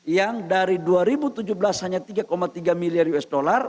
yang dari dua ribu tujuh belas hanya tiga tiga miliar usd